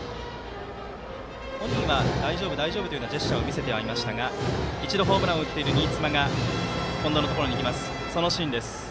本人は大丈夫というジェスチャーを見せていましたが一度、ホームランを打っている新妻が近藤のところに行きました。